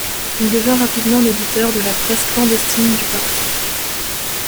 Il devint rapidement l'éditeur de la presse clandestine du parti.